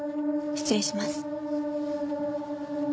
失礼します。